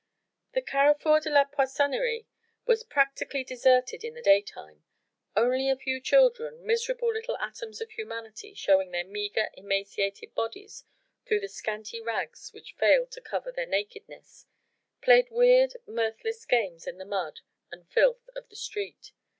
The Carrefour de la Poissonnerie was practically deserted in the daytime; only a few children miserable little atoms of humanity showing their meagre, emaciated bodies through the scanty rags which failed to cover their nakedness played weird, mirthless games in the mud and filth of the street.